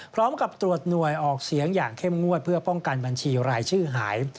พร้อมกับตรวจหน่วยออกเสียงอย่างเข้มงวดเพื่อป้องกันบัญชีรายชื่อหาย